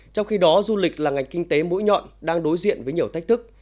trong khi đó du lịch là ngành kinh tế mũi nhọn đang đối diện với nhiều thách thức